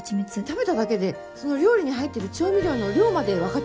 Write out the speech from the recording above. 食べただけでその料理に入ってる調味料の量まで分かっちゃうんだ。